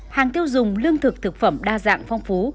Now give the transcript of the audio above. hàng tiêu dùng lương thực thực phẩm đa dạng phong phú